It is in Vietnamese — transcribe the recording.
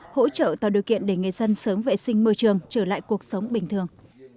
hỗ trợ tạo điều kiện để người dân sớm vệ sinh môi trường trở lại cuộc sống bình thường